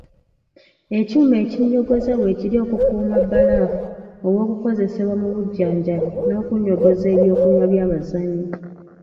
Ekyuma ekinnyogoza weekiri okukuuma bbalaafu ow'okozesebwa mu bujjanjabi n'okunnyogoza ebyokunywa by'abazannyi